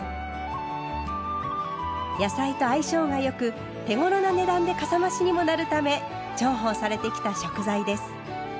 野菜と相性が良く手ごろな値段でかさ増しにもなるため重宝されてきた食材です。